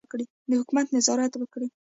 د حکومت نظارت وکړي.